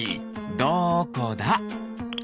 どこだ？